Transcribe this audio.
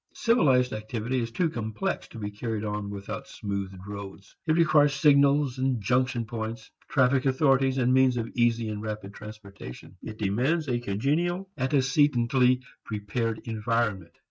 Civilized activity is too complex to be carried on without smoothed roads. It requires signals and junction points; traffic authorities and means of easy and rapid transportation. It demands a congenial, antecedently prepared environment.